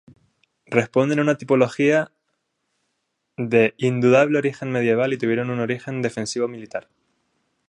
Responden a una tipología de indudable origen medieval y tuvieron un origen defensivo-militar.